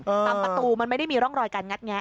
ทรัพย์ประตูมันไม่ได้มีรองรอยกันแง็ดแง็ด